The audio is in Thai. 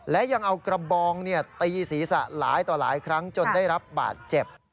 และยังเอากระบองตีศีรษะหลายต่อหลายครั้งจนได้รับบาดเจ็บ